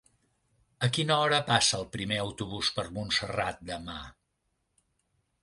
A quina hora passa el primer autobús per Montserrat demà?